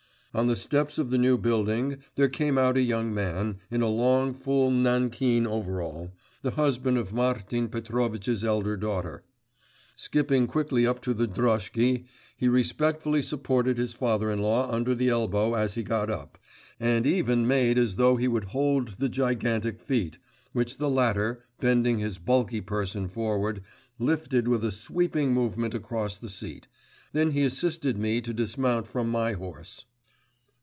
On the steps of the new building, there came out a young man, in a long full nankeen overall, the husband of Martin Petrovitch's elder daughter. Skipping quickly up to the droshky, he respectfully supported his father in law under the elbow as he got up, and even made as though he would hold the gigantic feet, which the latter, bending his bulky person forward, lifted with a sweeping movement across the seat; then he assisted me to dismount from my horse.